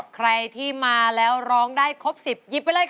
ใครที่มาแล้วร้องได้ครบ๑๐หยิบไปเลยค่ะ